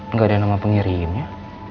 nggak ada nama pengirimnya